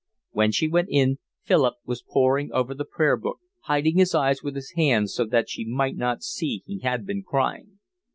When she went in Philip was poring over the prayer book, hiding his eyes with his hands so that she might not see he had been crying.